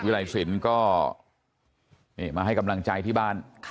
ไรสินก็มาให้กำลังใจที่บ้าน